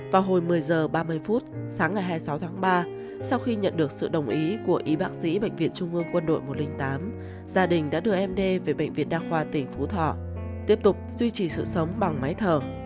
vào hồi một mươi h ba mươi phút sáng ngày hai mươi sáu tháng ba sau khi nhận được sự đồng ý của y bác sĩ bệnh viện trung ương quân đội một trăm linh tám gia đình đã đưa em d về bệnh viện đa khoa tỉnh phú thọ tiếp tục duy trì sự sống bằng máy thở